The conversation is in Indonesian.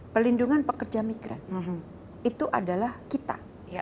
pelindungan pekerja migran itu adalah kita